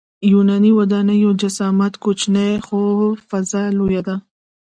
د یوناني ودانیو جسامت کوچنی خو فضا لویه وه.